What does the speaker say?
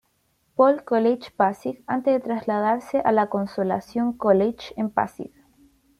Paul College Pasig" antes de trasladarse a "La Consolación College" en Pasig.